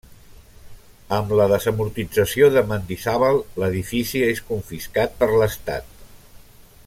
Amb la desamortització de Mendizábal, l'edifici és confiscat per l'Estat.